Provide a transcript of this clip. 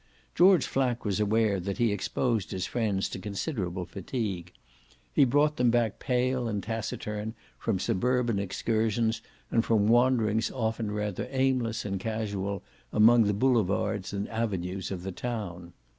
George Flack was aware that he exposed his friends to considerable fatigue: he brought them back pale and taciturn from suburban excursions and from wanderings often rather aimless and casual among the boulevards and avenues of the town.